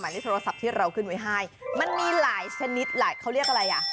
เลขโทรศัพท์ที่เราขึ้นไว้ให้มันมีหลายชนิดหลายเขาเรียกอะไรอ่ะ